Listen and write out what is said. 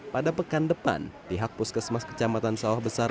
pada pekan depan pihak puskesmas kecamatan sawah besar lusi widya stuti